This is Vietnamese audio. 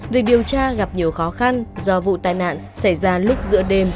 việc điều tra gặp nhiều khó khăn do vụ tai nạn xảy ra lúc giữa đêm